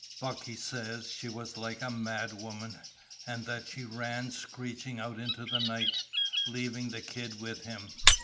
Bucky says she was like a mad woman, and that she ran screeching out into the night, leaving the kid with him.